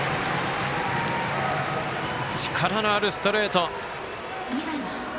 力のあるストレート。